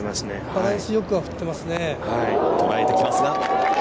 バランス良く振ってますね。